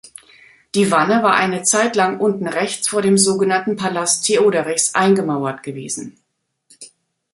Die Wanne war eine Zeitlang unten rechts vor dem sogenannten Palast Theoderichs eingemauert gewesen.